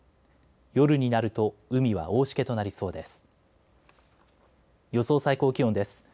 夜になると海は大しけとなりそうです。